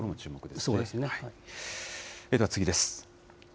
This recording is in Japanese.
では次です。